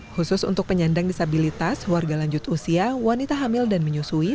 khusus untuk penyandang disabilitas warga lanjut usia wanita hamil dan menyusui